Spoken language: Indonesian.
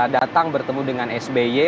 datang bertemu dengan sby